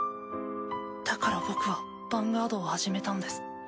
だから僕はヴァンガードを始めたんです。